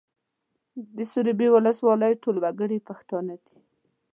د سروبي ولسوالۍ ټول وګړي پښتانه دي